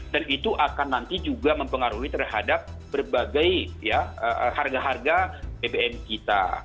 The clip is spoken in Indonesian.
dan itu akan nanti juga mempengaruhi terhadap berbagai harga harga bbm kita